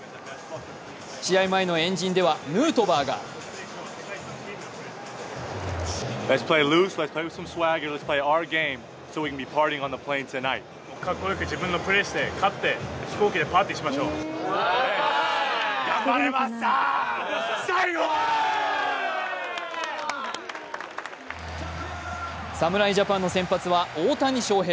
試合前の円陣ではヌートバーが侍ジャパンの先発は大谷翔平。